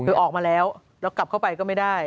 คือออกมาแล้วแล้วกลับเข้าไปก็ไม่ได้